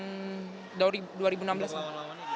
pertandingan final lain berakhir